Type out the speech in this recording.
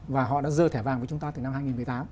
và họ đã dơ thẻ vàng với chúng ta từ năm hai nghìn một mươi tám